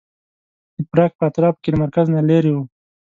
د پراګ په اطرافو کې له مرکز نه لرې و.